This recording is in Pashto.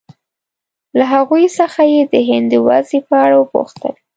له هغوی څخه یې د هند د وضعې په اړه وپوښتل.